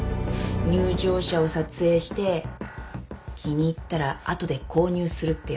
入場者を撮影して気に入ったら後で購入するってやつ。